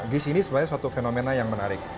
gis ini sebenarnya suatu fenomena yang menarik